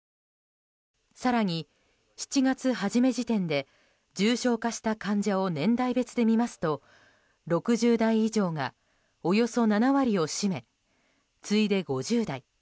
更に７月初め時点で重症化した患者を年代別で見ますと６０代以上がおよそ７割を占め次いで５０代。